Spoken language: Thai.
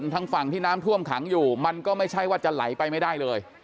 ทางฝั่งที่น้ำท่วมขังอยู่มันก็ไม่ใช่ว่าจะไหลไปไม่ได้เลย